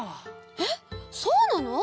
えっそうなの？